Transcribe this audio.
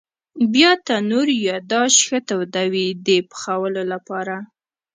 بیا تنور یا داش ښه تودوي د پخولو لپاره.